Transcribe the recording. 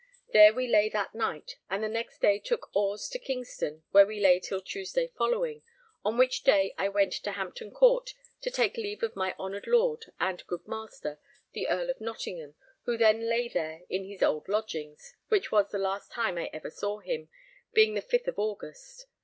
There we lay that night, and the next day took oars to Kingston, where we lay till Tuesday following, on which day I went to Hampton Court to take leave of my honoured lord and good master, the Earl of Nottingham, who then lay there in his old lodgings, which was the last time I ever saw him, being the fifth of August.